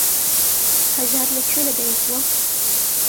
هەژار لە کوێ لەدایک بووە؟